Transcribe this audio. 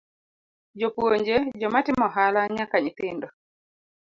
Jopuonje, joma timo ohala nyaka nyithindo